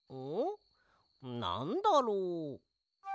なんだろう？